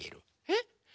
えっ？